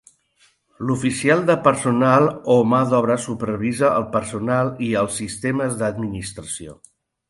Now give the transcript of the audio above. L'oficial de personal o mà d'obra supervisa el personal i els sistemes d'administració.